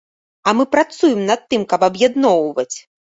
А мы працуем над тым, каб аб'ядноўваць.